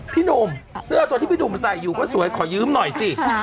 พี่หนุ่มเสื้อตัวที่พี่หนุ่มใส่อยู่ก็สวยขอยืมหน่อยสิ